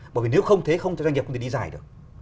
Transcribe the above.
bởi vì nếu không thế không cho doanh nghiệp cũng được đi dài được